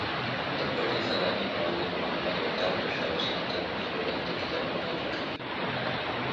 د پټې خزانې مولف محمد هوتک د شاه حسين تر مشرۍ لاندې کتابونه ليکلي.